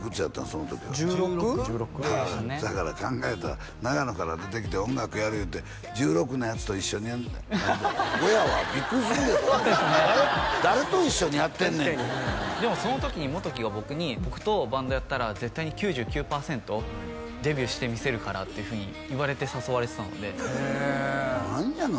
その時は１６でだから考えたら長野から出てきて音楽やる言うて１６のやつと一緒にやんねん親はビックリするで誰と一緒にやってんねんとでもその時に元貴が僕に「僕とバンドやったら絶対に９９パーセント」「デビューしてみせるから」っていうふうに言われて誘われてたのでへえ何やの？